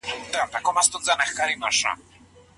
هلک بايد داسي کورنۍ وټاکي چي اهداف يې ورته وي.